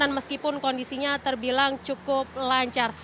dan meskipun kondisinya terbilang cukup lancar